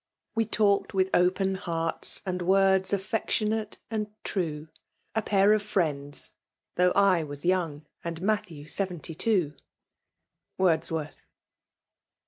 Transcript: We talked with opea health and voida Affectionate and true ; A pair of friends, though I was young. And Matthew wvealiy two. WORDfWORTH.